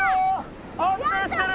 安定してる！